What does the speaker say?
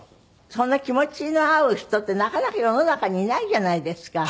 そんな気持ちの合う人ってなかなか世の中にいないじゃないですか。